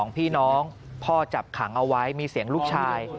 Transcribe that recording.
พี่น้องพ่อจับขังเอาไว้มีเสียงลูกชาย